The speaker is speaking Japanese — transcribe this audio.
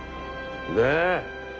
ねえ！